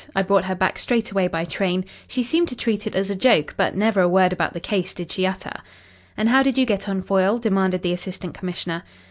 I brought her back straight away by train. She seemed to treat it as a joke, but never a word about the case did she utter." "And how did you get on, Foyle?" demanded the Assistant Commissioner.